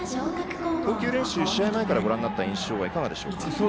投球練習、試合前からご覧になった印象はいかがでしょうか。